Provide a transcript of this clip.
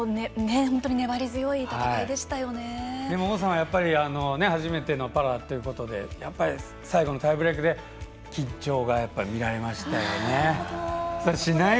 王さんは、やっぱり初めてのパラということで最後のタイブレークで緊張が見られましたよね。